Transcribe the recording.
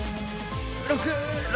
６６。